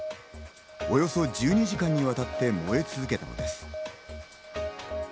およそ１２時間にわたって燃え続けたのです。